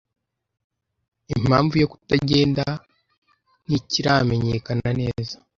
Impamvu yo kutagenda ntikiramenyekana neza.